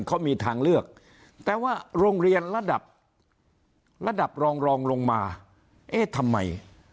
เขามีทางเลือกแต่ว่าโรงเรียนระดับระดับรองรองลงมาเอ๊ะทำไม